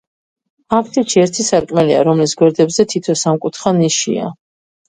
აფსიდში ერთი სარკმელია, რომლის გვერდებზე თითო სამკუთხა ნიშია.